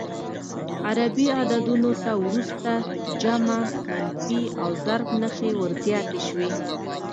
عربي عددونو ته وروسته جمع، منفي او ضرب نښې ور زیاتې شوې.